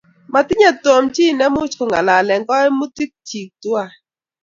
Matinyei Tom chi ne much kongalalee kaimutik chi tuwai